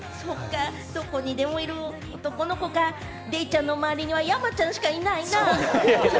どこにでもいる男の子か、デイちゃんの周りには山ちゃんしかいないな。